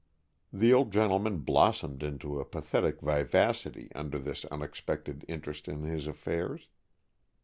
The old gentleman blossomed into a pathetic vivacity under this unexpected interest in his affairs.